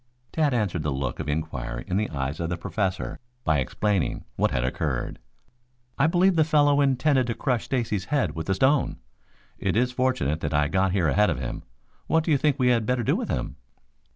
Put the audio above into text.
Tad answered the look of inquiry in the eyes of the Professor by explaining what had occurred. "I believe the fellow intended to crush Stacy's head with the stone. It is fortunate that I got here ahead of him. What do you think we had better do with him?"